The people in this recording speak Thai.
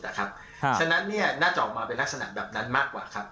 เพราะฉะนั้นน่าจะออกมาเป็นลักษณะแบบนั้นมากกว่าครับ